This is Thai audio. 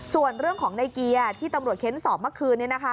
ส่วนเรื่องของไนเกี๊ยร์ที่ตำรวจเคล็ดสอบเมื่อกี้